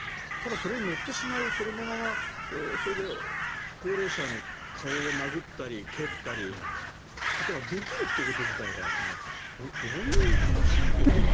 それに乗ってしまうそれで高齢者の顔を殴ったり蹴ったりすることができること自体がどういう神経というか。